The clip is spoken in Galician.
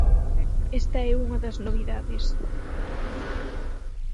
Está é unha das novidades.